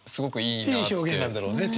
いい表現なんだろうね。